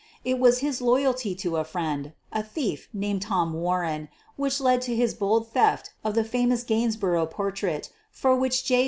It was his loyalty to a friend — a thief named Tom Warren — which led to his bold theft of the famous Gainsborough portrait for which J.